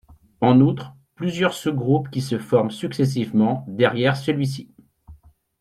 En outre, plusieurs sous-groupes qui se forment successivement derrière celui-ci.